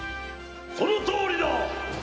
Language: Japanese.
・そのとおりだ！